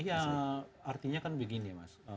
artinya kan begini